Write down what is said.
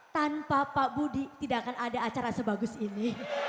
tanpa pak budi tidak akan ada acara sebagus ini